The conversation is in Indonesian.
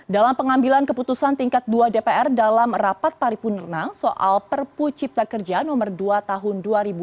dalam pengambilan keputusan tingkat dua dpr dalam rapat paripurna soal perpu cipta kerja nomor dua tahun dua ribu dua puluh